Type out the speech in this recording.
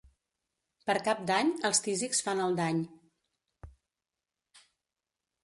Per Cap d'Any els tísics fan el dany.